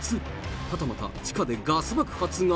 はたまた地下でガス爆発が？